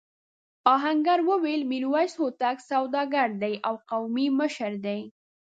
آهنګر وویل میرويس هوتک سوداګر دی او قومي مشر دی.